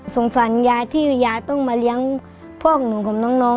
สงสัยยายที่ยายต้องมาเลี้ยงพวกหนูของน้อง